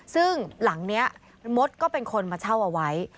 ซึ่งหลังนี้มดก็เป็นคนมาเช่าเอาไว้